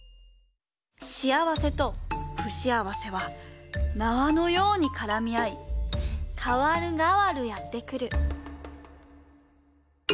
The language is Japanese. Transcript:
しあわせとふしあわせは縄のようにからみあいかわるがわるやってくる。